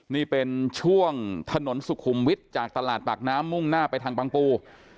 นี่เป็นช่วงถนนสุขุมวิทย์จากตลาดปากน้ำมุ่งหน้าไปทางบางปู